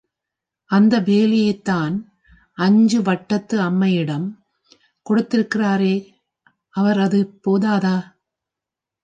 அந்த வேலையைத்தான் அஞ்சு வட்டத்து அம்மையிடம் கொடுத்திருக்கிறாரே அவர் அது போதாதா?